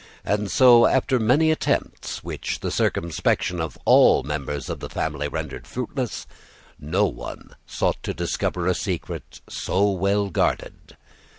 And so, after many attempts, which the circumspection of all the members of the family rendered fruitless, no one sought to discover a secret so well guarded.